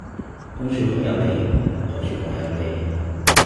公說公有理，婆說婆有理